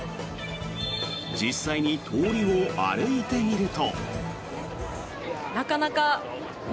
実際に通りを歩いてみると。